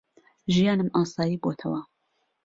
ژیانم ئاسایی بووەتەوە.